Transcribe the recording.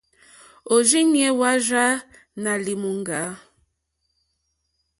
Òrzìɲɛ́ hwá rzâ nà lìmùŋɡà.